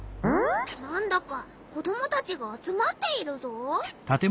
なんだか子どもたちがあつまっているぞ？